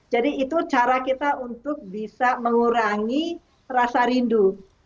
jadi itu cara kita untuk bisa mengurangi rasa rindu